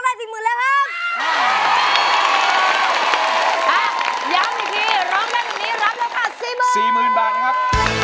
ย้ำอีกทีร้องได้แบบนี้รับแล้วค่ะสี่หมื่นบาทนะครับ